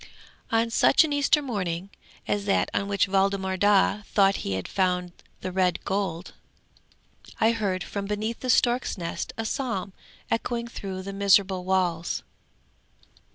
'On such an Easter morning as that on which Waldemar Daa thought he had found the red gold, I heard from beneath the stork's nest a psalm echoing through the miserable walls.